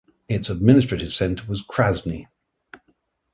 Its administrative centre was Krasny.